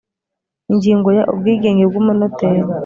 Ingingo ya Ubwigenge bw umunoteri